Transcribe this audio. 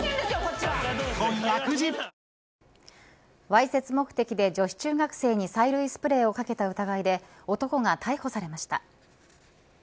わいせつ目的で女子中学生に催涙スプレーをかけた疑いで男が逮捕されました。